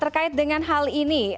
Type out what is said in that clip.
terkait dengan hal ini